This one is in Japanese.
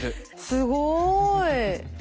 すごい。